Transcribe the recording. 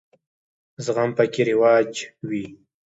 زغم پکې رواج وي.